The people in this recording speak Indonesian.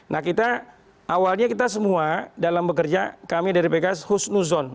nah kita awalnya kita semua dalam bekerja kami dari pks husnuzon